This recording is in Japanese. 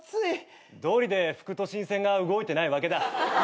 どうりで副都心線が動いてないわけだ。